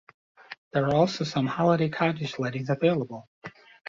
There are also some holiday cottage lettings available.